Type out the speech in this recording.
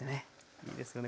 いいですよね。